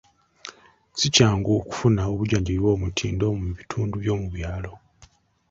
Ssi kyangu okufuna obujjanjabi obw'omutindo mu bitundu by'omu byalo.